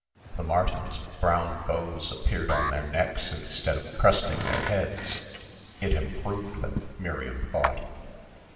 The Martins' brown bows appeared on their necks instead of cresting their heads it improved them, Miriam thought.